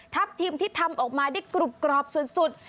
ทีมที่ทำออกมาได้กรุบกรอบสุด